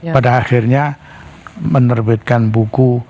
pada akhirnya menerbitkan buku